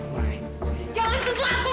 jangan sentuh aku wi